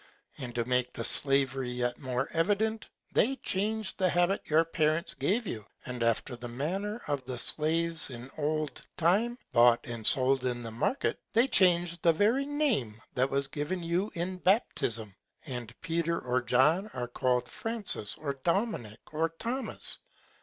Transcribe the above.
And to make the Slavery yet the more evident, they change the Habit your Parents gave you, and after the Manner of those Slaves in old Time, bought and sold in the Market, they change the very Name that was given you in Baptism, and Peter or John are call'd Francis, or Dominic, or Thomas.